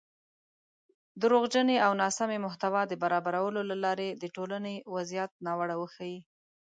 دروغجنې او ناسمې محتوا د برابرولو له لارې د ټولنۍ وضعیت ناوړه وښيي